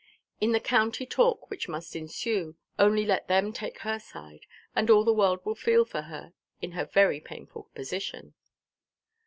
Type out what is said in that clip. In the county talk which must ensue, only let them take her side, and all the world would feel for her in her very painful position.